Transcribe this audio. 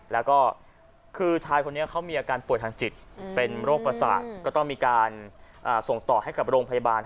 แล้วก็คือชายคนนี้เขามีอาการป่วยทางจิตเป็นโรคประสาทก็ต้องมีการส่งต่อให้กับโรงพยาบาล